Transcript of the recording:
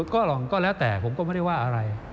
ก็แล้วแต่ผมก็ไม่ได้ว่าอะไร